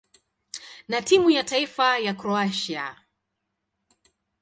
na timu ya taifa ya Kroatia.